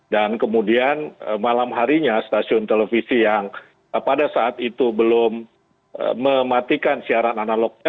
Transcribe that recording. dan kemudian malam harinya stasiun televisi yang pada saat itu belum mematikan siaran analognya